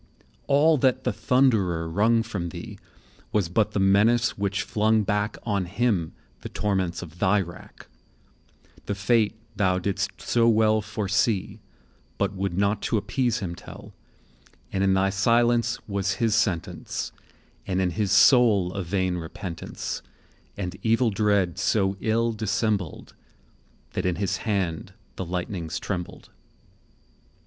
All that the Thunderer wrung from thee Was but the menace which flung back On him the torments of thy rack; The fate thou didst so well foresee, But would not to appease him tell;30 And in thy Silence was his Sentence, And in his Soul a vain repentance, And evil dread so ill dissembled, That in his hand the lightnings trembled.